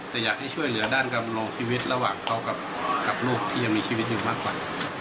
แต่อยากให้ช่วยเหลือด้านดำรงชีวิตระหว่างเขากับลูกที่ยังมีชีวิตอยู่มากกว่า